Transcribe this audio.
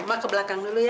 oma ke belakang dulu ya